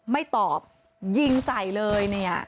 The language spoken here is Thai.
ไม่ตอบยิงใส่เลย